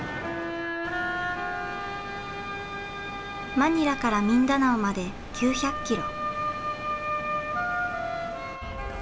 マニラからミンダナオまで９００ｋｍ。